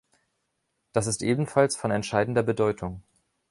Das ist ebenfalls von entscheidender Bedeutung.